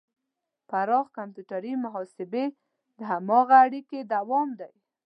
پراخ کمپیوټري محاسبې د هماغې اړیکې دوام دی.